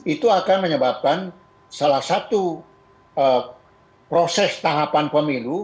itu akan menyebabkan salah satu proses tahapan pemilu